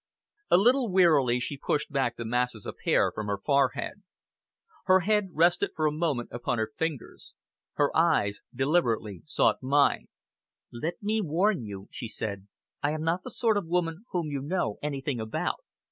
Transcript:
A little wearily she pushed back the masses of hair from her forehead. Her head rested for a moment upon her fingers. Her eyes deliberately sought mine. "Let me warn you," she said; "I am not the sort of woman whom you know anything about.